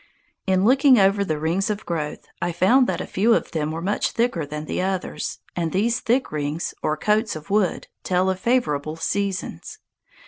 In looking over the rings of growth, I found that a few of them were much thicker than the others; and these thick rings, or coats of wood, tell of favorable seasons.